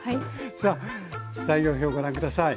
さあ材料表ご覧下さい。